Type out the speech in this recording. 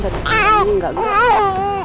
macem macem tapi ini gak gak